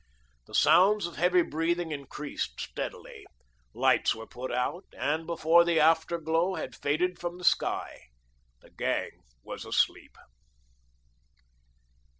The sounds of heavy breathing increased steadily, lights were put out, and before the afterglow had faded from the sky, the gang was asleep.